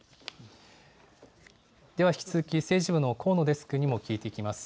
では、引き続き政治部のこうのデスクにも聞いていきます。